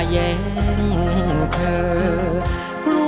จะใช้หรือไม่ใช้ครับ